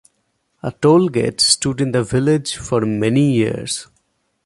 A tollgate stood in the village for many years.